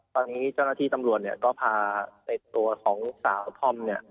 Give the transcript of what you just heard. ตอนนี้เจ้านาทีตำรวจก็พาในตัว๒สาวท่อม